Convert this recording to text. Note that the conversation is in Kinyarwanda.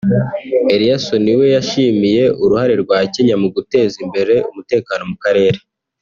Eliasson we yashimiye uruhare rwa Kenya mu guteza imbere umutekano mu karere